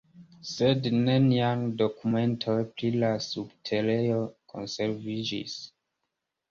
Sed neniaj dokumentoj pri la subterejo konserviĝis.